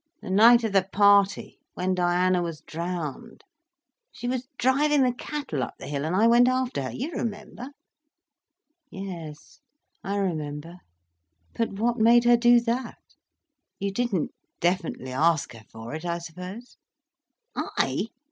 "The night of the party—when Diana was drowned. She was driving the cattle up the hill, and I went after her—you remember." "Yes, I remember. But what made her do that? You didn't definitely ask her for it, I suppose?" "I?